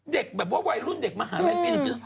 เด็กแบบว่าวัยรุ่นเด็กมาหาแม่งกิน